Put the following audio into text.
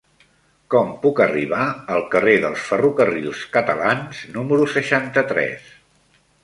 Com puc arribar al carrer dels Ferrocarrils Catalans número seixanta-tres?